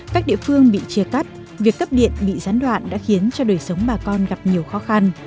các địa phương bị chia cắt việc cấp điện bị gián đoạn đã khiến cho đời sống bà con gặp nhiều khó khăn